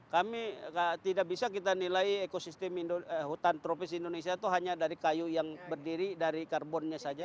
kami tidak bisa kita nilai ekosistem hutan tropis indonesia itu hanya dari kayu yang berdiri dari karbonnya saja